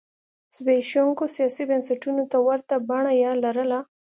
زبېښونکو سیاسي بنسټونو ته ورته بڼه یې لرله.